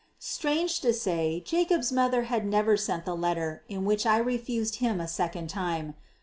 Strange to say, Jacob's mother had never sent the letter in which I refused him a second time.